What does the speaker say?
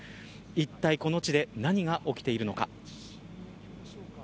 いったいこの地で何が起きているのか。